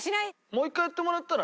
もう一回やってもらったら？